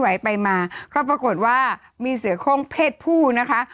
ไหวไปมาก็ปรากฏว่ามีเสือโค้งเพศผู้นะคะ